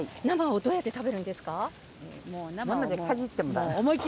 どうやって食べるんですか？